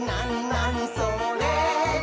なにそれ？」